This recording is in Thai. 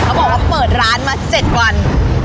บอกว่าเปิดร้านมา๗วัน